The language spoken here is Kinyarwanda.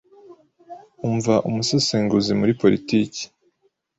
umva Umusesenguzi muri politiki: